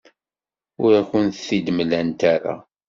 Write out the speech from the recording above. Ur akent-t-id-mlant ara.